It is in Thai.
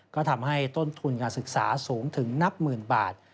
ก็ทำให้ต้นทุนการศึกษาสูงถึงนับหมื่นบาท